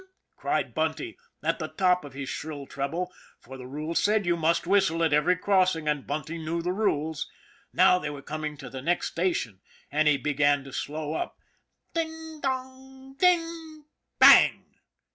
cried Bunty at the top of his shrill treble, for the rules said you must whis tle at every crossing, and Bunty knew the rules. Now they were coming to the next station, and he began to slow up. "Ding dong, ding " Bang!